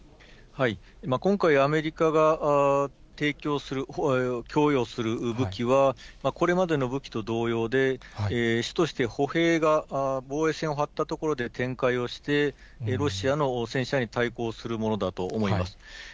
今回、アメリカが供与する武器はこれまでの武器と同様で、主として歩兵が防衛戦を張ったところで展開をして、ロシアの戦車に対抗するものだと思います。